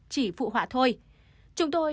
chỉ phụ họa thôi chúng tôi